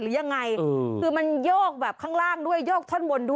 แหละแต่คนนี้งอนพ่อ